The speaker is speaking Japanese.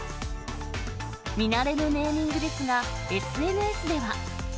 見慣れぬネーミングですが、ＳＮＳでは。